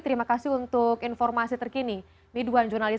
terima kasih untuk informasi terkini